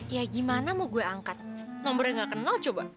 ya gimana mau gue angkat nomornya gak kenal coba